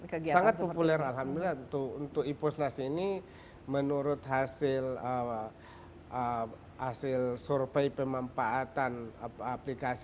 kegiatan populer alhamdulillah untuk untuk ipusnas ini menurut hasil hasil survei pemanfaatan aplikasi